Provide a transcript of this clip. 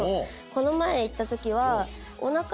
この前行った時は。